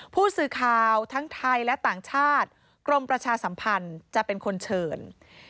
ผู้สื่อข่าวทั้งไทยและต่างชาติกรมประชาสัมพันธ์จะเป็นคนเชิญ